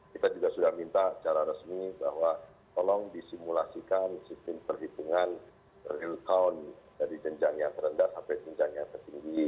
kita juga sudah minta secara resmi bahwa tolong disimulasikan sistem perhitungan real count dari jenjang yang terendah sampai jenjang yang tertinggi